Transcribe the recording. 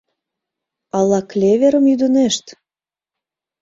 Ала клеверым ӱдынешт?